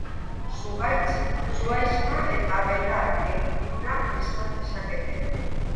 Zuhaitz, zuhaixka eta belar egitura izan dezakete.